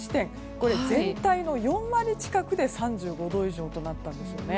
これ、全体の４割近くで３５度以上となったんですね。